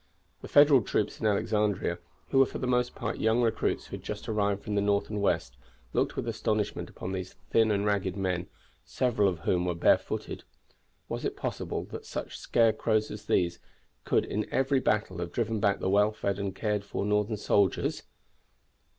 The Federal troops in Alexandria, who were for the most part young recruits who had just arrived from the north and west, looked with astonishment upon these thin and ragged men, several of whom were barefooted. Was it possible that such scarecrows as these could in every battle have driven back the well fed and cared for Northern soldiers!